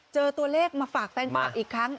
เจอตัวเลขมาฝากแปลงปากอีกครั้ง